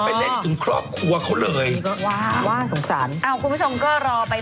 ได้เล่นถึงครอบครัวเขาเลยว่าสงสัญ